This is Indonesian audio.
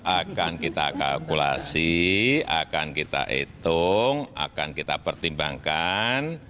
akan kita kalkulasi akan kita hitung akan kita pertimbangkan